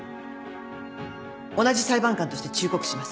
同じ裁判官として忠告します。